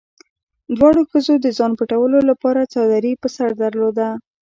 دواړو ښځو د ځان پټولو لپاره څادري په سر درلوده.